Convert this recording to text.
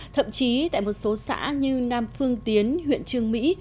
thậm chí tại một số xã như nam phương tiến huyện trương mỹ